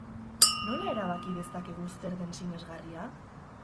Nola erabaki dezakegu zer den sinesgarria?